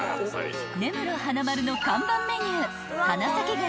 ［根室花まるの看板メニュー］